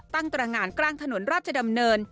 ตรงานกลางถนนราชดำเนิน